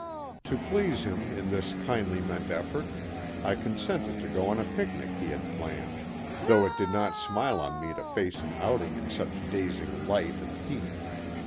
To please him in this kindly meant effort I consented to go on a picnic he had planned, though it did not smile on me to face an outing in such dazing light and heat.